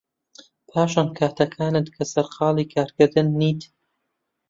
پاشان کاتەکانت کە سەرقاڵی کارکردن نیت